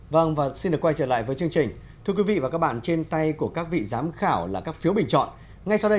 vâng vừa rồi là những chia sẻ của tác giả với tác phẩm ảnh áo dài